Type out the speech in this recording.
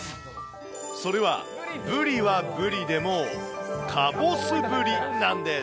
それは、ブリはブリでもかぼすブリなんです。